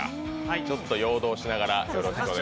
ちょっと揺動しながら。